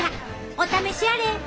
お試しあれ。